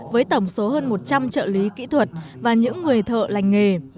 với tổng số hơn một trăm linh trợ lý kỹ thuật và những người thợ lành nghề